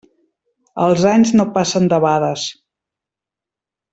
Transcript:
Els anys no passen debades.